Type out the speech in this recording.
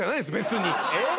えっ？